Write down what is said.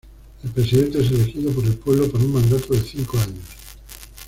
El presidente es elegido por el pueblo para un mandato de cinco años.